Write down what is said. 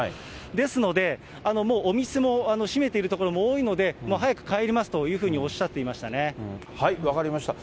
ですので、もうお店も閉めている所も多いので、早く帰りますというふうにお分かりました。